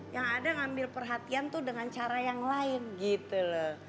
yang ada ngambil perhatian tuh dengan cara yang lain gitu loh